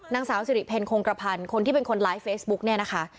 นางสาวสิริเพลคงกระพันธ์คนที่เป็นคนไลฟ์เฟซบุ๊กเนี่ยนะคะ